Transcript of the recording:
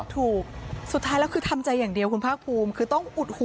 ถูกสุดท้ายแล้วคือทำใจอย่างเดียวคุณภาคภูมิคือต้องอุดหู